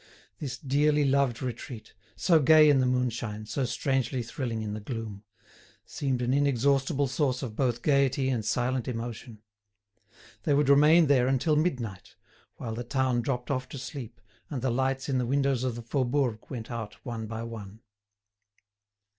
This dearly loved retreat—so gay in the moonshine, so strangely thrilling in the gloom—seemed an inexhaustible source of both gaiety and silent emotion. They would remain there until midnight, while the town dropped off to sleep and the lights in the windows of the Faubourg went out one by one.